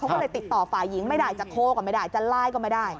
ก็เลยติดต่อฝ่ายหญิงไม่ได้จะโทรก็ไม่ได้จะไลน์ก็ไม่ได้